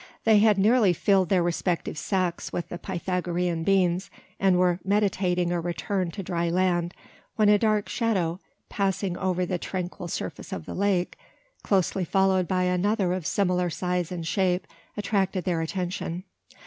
They had nearly filled their respective sacks with the Pythagorean beans, and were meditating a return to dry land, when a dark shadow passing over the tranquil surface of the lake closely followed by another of similar size and shape attracted their attention.